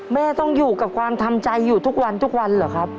แม่ต้องอยู่กับความทำใจอยู่ทุกวันทุกวันเหรอครับ